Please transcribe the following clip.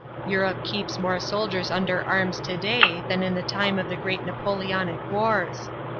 Europe keeps more soldiers under arms to day than in the time of the great Napoleonic wars.